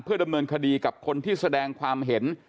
ดำเนินคดีกับคนที่แสดงความเห็น